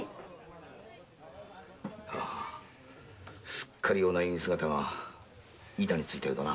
すっかりお内儀姿が板についたようだな。